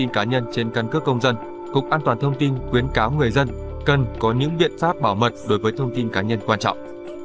cá nhân trên căn cước công dân cục an toàn thông tin khuyến cáo người dân cần có những biện pháp bảo mật đối với thông tin cá nhân quan trọng